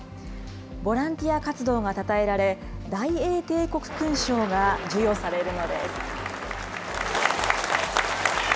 ボランティア活動がたたえられ、大英帝国勲章が授与されるのです。